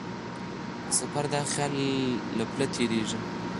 دا سفر د خیال له پله تېرېږي.